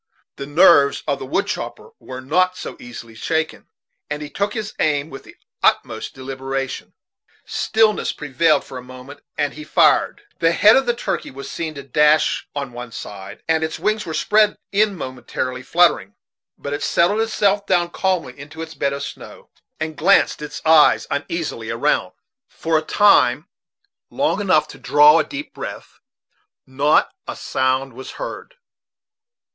The nerves of the wood chopper were not so easily shaken, and he took his aim with the utmost deliberation. Stillness prevailed for a moment, and he fired. The head of the turkey was seen to dash on one side, and its wings were spread in momentary fluttering; but it settled itself down calmly into its bed of snow, and glanced its eyes uneasily around. For a time long enough to draw a deep breath, not a sound was heard.